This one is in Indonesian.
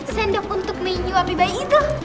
sendok untuk menu api bayi itu